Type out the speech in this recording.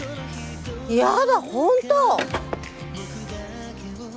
やだ本当！